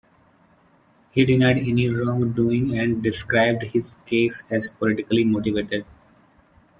He denied any wrongdoing and described his case as politically motivated.